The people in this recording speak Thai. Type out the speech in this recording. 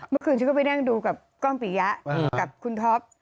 เมื่อคืนฉันก็ไปนั่งดูกับกล้องปิยะกับคุณท็อป